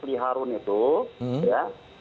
li harun itu ya